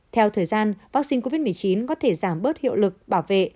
theo thời gian vaccine covid một mươi chín có thể giảm bớt hiệu lực bảo vệ